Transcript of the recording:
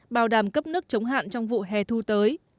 bảo đảm cấp nước chống hạn trong vụ hè thu tới